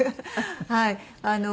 はい。